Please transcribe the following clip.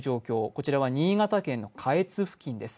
こちらは新潟県の下越付近です。